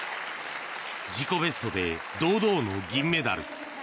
自己ベストで堂々の銀メダル。